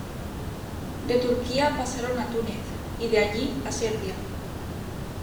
De Turquía pasaron a Túnez, y de allí a Serbia.